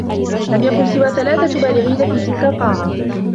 لم يكن سوى ثلاثة بالغين في تلك القاعة.